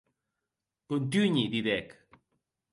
Contunhi, didec.